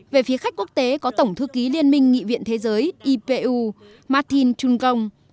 về phía khách quốc tế có tổng thư ký liên minh nghị viện thế giới ipu martin trunggong